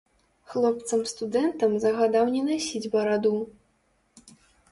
Хлопцам студэнтам загадаў не насіць бараду.